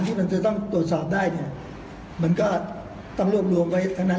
ที่มันจะต้องตรวจสอบได้เนี่ยมันก็ต้องรวบรวมไว้ทั้งนั้น